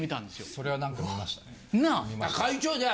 それは何か見ましたね。